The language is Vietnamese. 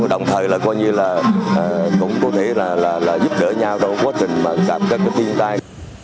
đồng thời là cũng có thể là giúp đỡ nhau trong quá trình đảm cấp các thiên tai